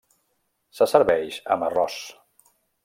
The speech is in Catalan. Se serveix amb arròs.